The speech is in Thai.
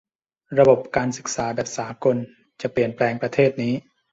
ระบบการศึกษาแบบสากลจะเปลี่ยนแปลงประเทศนี้